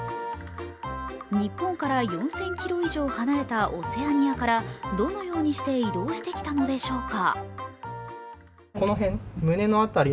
日本から４０００ｋｍ以上離れたオセアニアからどのようにして移動してきたのでしょうか。